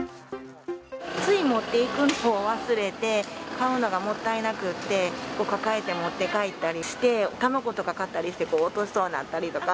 つい持っていくのを忘れて、買うのがもったいなくって、抱えて持って帰ったりして、卵とか買って、落としそうになったりとか。